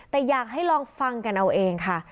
แต่อยากให้ลองฟังกันเอาเองค่ะ